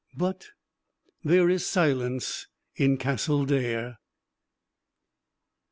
But there is silence in Castle Dare!